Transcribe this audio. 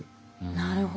なるほど。